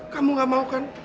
kamu nggak mau kan